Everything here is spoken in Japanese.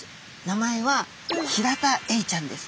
名前はヒラタエイちゃんです。